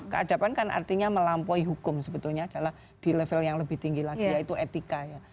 keadaban kan artinya melampaui hukum sebetulnya adalah di level yang lebih tinggi lagi yaitu etika ya